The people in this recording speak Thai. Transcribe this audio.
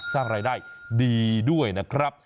สร้างรายได้ดีด้วยนะครับ